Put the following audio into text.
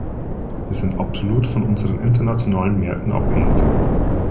Wir sind absolut von unseren internationalen Märkten abhängig.